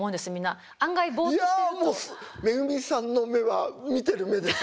いやもうめぐみさんの目は見てる目です。